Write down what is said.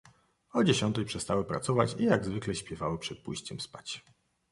"O dziesiątej przestały pracować i jak zwykle śpiewały przed pójściem spać."